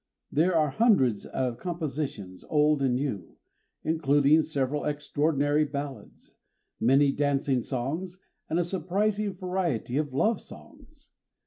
There are hundreds of compositions, old and new, including several extraordinary ballads, many dancing songs, and a surprising variety of love songs.